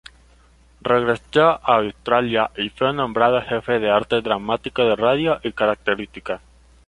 Regresó a Australia y fue nombrado Jefe de Arte Dramático de Radio y características.